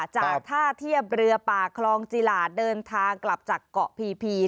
จากท่าเทียบเรือป่าคลองจีหลาดเดินทางกลับจากเกาะพี